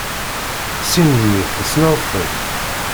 Sin-nni tessneḍ-ten?